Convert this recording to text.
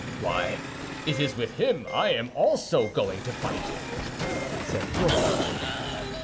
"Why, it is with him I am also going to fight," said Porthos.